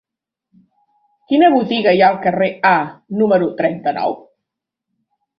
Quina botiga hi ha al carrer A número trenta-nou?